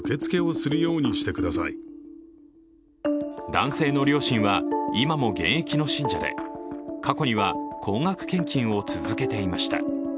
男性の両親は今も現役の信者で過去には高額献金を続けていました。